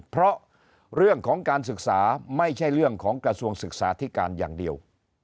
เพราะเรื่องของการศึกษาไม่ใช่เรื่องของกระทรวงศึกษาธิการอย่างเดียว